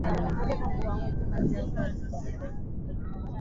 Rwanda ni inchi ambayo itaingia mu kongo mara makumi nane na ine